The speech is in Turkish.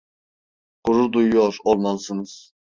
Gurur duyuyor olmalısınız.